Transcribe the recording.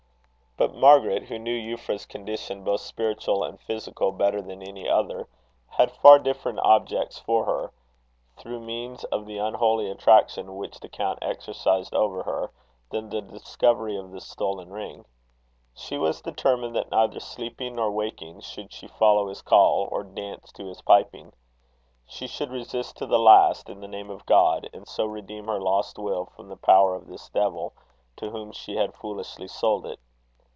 But Margaret, who knew Euphra's condition, both spiritual and physical, better than any other, had far different objects for her, through means of the unholy attraction which the count exercised over her, than the discovery of the stolen ring. She was determined that neither sleeping nor waking should she follow his call, or dance to his piping. She should resist to the last, in the name of God, and so redeem her lost will from the power of this devil, to whom she had foolishly sold it.